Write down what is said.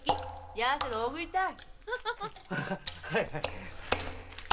「痩せの大食い」たい。